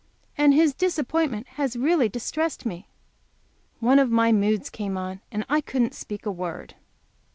And his disappointment has really distressed me." One of my moods came on, and I couldn't speak a word.